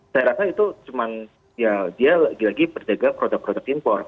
saya rasa itu cuman ya dia lagi lagi perdagang produk produk import